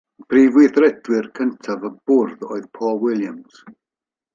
Prif Weithredwr cyntaf y bwrdd oedd Paul Williams.